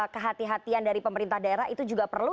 kehati hatian dari pemerintah daerah itu juga perlu